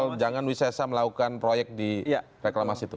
bukan soal jangan wisesa melakukan proyek di reklamasi itu